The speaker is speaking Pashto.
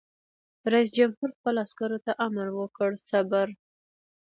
رئیس جمهور خپلو عسکرو ته امر وکړ؛ صبر!